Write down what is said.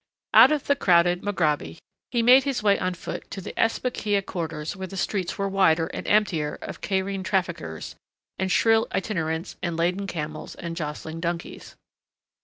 Out of the crowded Mograby he made his way on foot to the Esbekeyih quarters where the streets were wider and emptier of Cairene traffickers and shrill itinerates and laden camels and jostling donkeys.